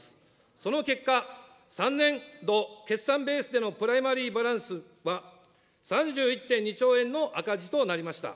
その結果、３年度決算ベースでのプライマリーバランスは、３１．２兆円の赤字となりました。